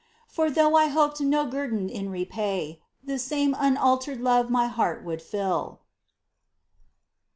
For though I hoped no guerdon in repay. The same unaltered love my heart would fill